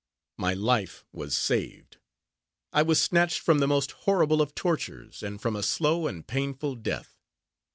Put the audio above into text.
My life was saved. I was snatched from the most horrible of tortures, and from a slow and painful death.